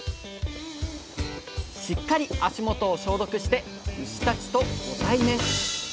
しっかり足元を消毒して牛たちとご対面！